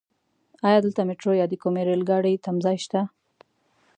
ايا دلته ميټرو يا د کومې رايل ګاډی تمځای شته؟